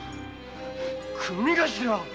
組頭！？